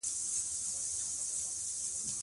سیندونه د افغانستان د تکنالوژۍ پرمختګ سره تړاو لري.